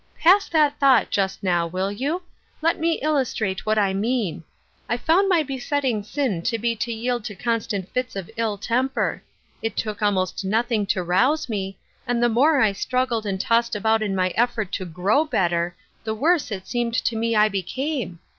" Pass that thought, just now, will you ? Let me illustrate what I mean. I found my beset ^mg sin to be to yield to constant hfcs of ill temper. It took almost nothing to rouse me, and the more I struggled and tossed about in my effort to grow better the worse it seemed to me I became.